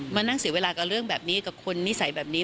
มานั่งเสียเวลากับเรื่องแบบนี้กับคนนิสัยแบบนี้